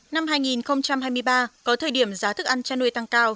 năm hai nghìn hai mươi ba có thời điểm giá thức ăn chăn nuôi tăng cao